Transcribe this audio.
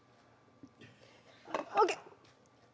ＯＫ！